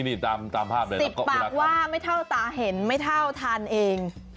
นี่ตามภาพเลย๑๐ปากว่าไม่เท่าตาเห็นไม่เท่าทานเอง